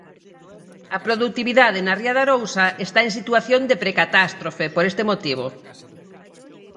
A produtividade na ría de Arousa está en situación de precatástrofe por este motivo.